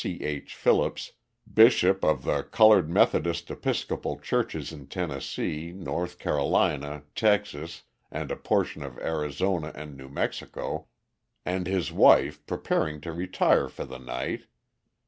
C. H. Phillips, bishop of the coloured Methodist Episcopal Churches in Tennessee, North Carolina, Texas and a portion of Arizona and New Mexico, and his wife preparing to retire for the night.